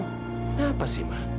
kenapa sih ma